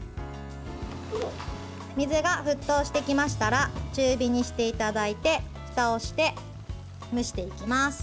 水が沸騰してきましたら中火にしていただいてふたをして蒸していきます。